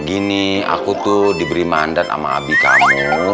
gini aku tuh diberi mandat sama abi kamu